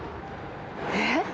えっ？